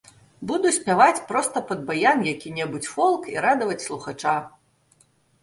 Буду спяваць проста пад баян які-небудзь фолк і радаваць слухача.